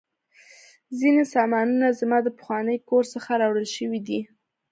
ځینې سامانونه زما د پخواني کور څخه راوړل شوي دي